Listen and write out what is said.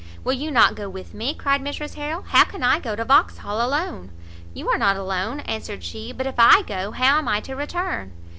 "Will you not go with me?" cried Mrs Harrel, "how can I go to Vauxhall alone?" "You are not alone," answered she; "but if I go, how am I to return?"